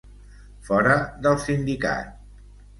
Fora del Sindicat!